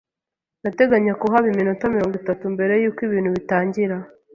Ndateganya kuhaba iminota mirongo itatu mbere yuko ibintu bitangira.